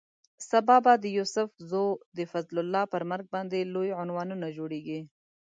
سبا به د یوسف زو د فضل الله پر مرګ باندې لوی عنوانونه جوړېږي.